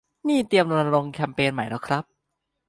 นี่เตรียมรณรงค์แคมเปญใหม่แล้วครับ